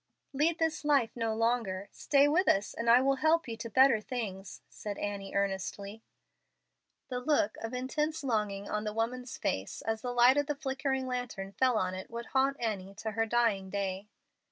"Lead this life no longer. Stay with us, and I will help you to better things," said Annie, earnestly. The look of intense longing on the woman's face as the light of the flickering lantern fell on it would haunt Annie to her dying day.